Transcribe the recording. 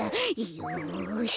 よし。